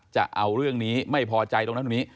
จะเอาเรื่องนี้ไม่พอใจตรงนั้นตรงนี้